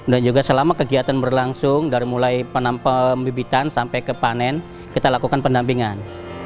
dan juga selama kegiatan berlangsung dari mulai penampel bibitan sampai ke panen kita lakukan pendampingan